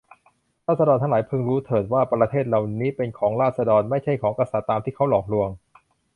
ราษฎรทั้งหลายพึงรู้เถิดว่า ประเทศเรานี้เป็นของราษฎร ไม่ใช่ของกษัตริย์ตามที่เขาหลอกลวง